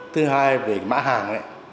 thứ hai về mã hàng ấy